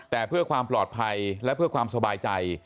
แต่เพื่อความปลอดภัยและเพื่อความสบายใจ